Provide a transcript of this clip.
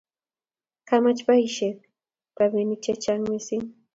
kamach baishek rabinik chechang mising